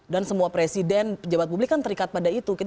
dan semua presiden pejabat publik kan terikat pada itu